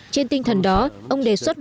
trên tinh thần đó ông đề xuất rằng